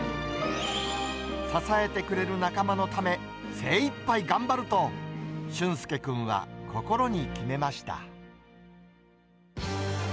支えてくれる仲間のため、精いっぱい頑張ると、俊介君は心に決めました。